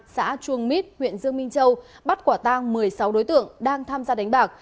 xã chuông mít huyện dương minh châu bắt quả tang một mươi sáu đối tượng đang tham gia đánh bạc